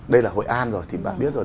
đây là hội an rồi thì bạn biết rồi